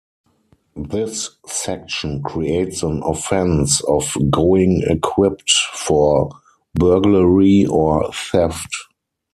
This section creates an offence of "going equipped" for burglary or theft.